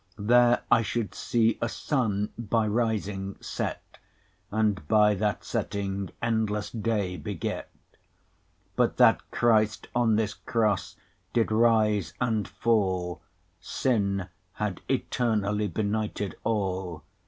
10 There I should see a Sunne, by rising set, And by that setting endlesse day beget; But that Christ on this Crosse, did rise and fall, Sinne had eternally benighted all.